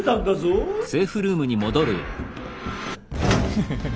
フフフッ。